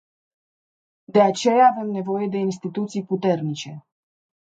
De aceea avem nevoie de instituții puternice.